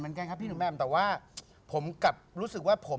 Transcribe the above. มันมีวางแผนเหมือนกันครับ